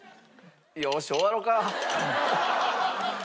よーし終わろうか！